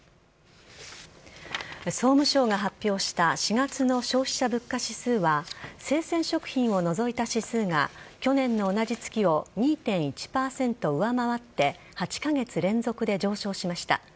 総務省が発表した４月の消費者物価指数は生鮮食品を除いた指数が去年の同じ月を２．１％を上回って８カ月連続で上昇しました。